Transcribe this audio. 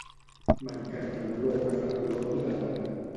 M'encanta l'olor que fa la colònia de lavanda